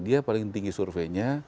dia paling tinggi surveinya